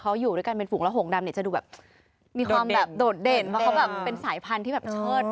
เขาอยู่ด้วยกันเป็นฝูงระหงดำเนี่ยจะดูแบบมีความแบบโดดเด่นเพราะเขาแบบเป็นสายพันธุ์ที่แบบเชิด